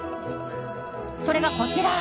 それがこちら。